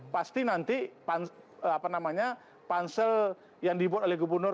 pasti nanti pansel yang dibuat oleh gubernur